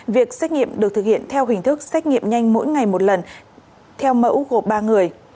việc xét nghiệm được thực hiện theo hình thức xét nghiệm nhanh mỗi ngày một lần theo mẫu gồm ba người